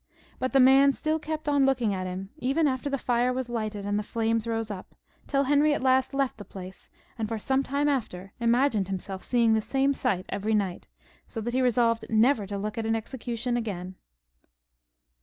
But the man still kept on look ing at him, even after the fire was lighted and the flames rose up, till Henry at last left the place, and for some time after imagined himself seeing the same sight every night, so that he resolved never to look on at an execution again.